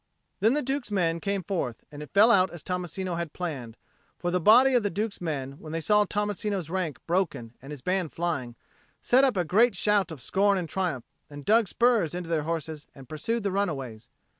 Then the Duke's men came forth, and it fell out as Tommasino had planned; for the body of the Duke's men, when they saw Tommasino's rank broken and his band flying, set up a great shout of scorn and triumph, and dug spurs into their horses and pursued the runaways.